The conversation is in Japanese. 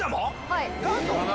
はい。